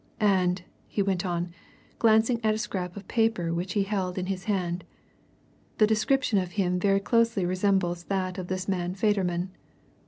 And," he went on, glancing at a scrap of paper which he held in his hand, "the description of him very closely resembles that of this man Federman.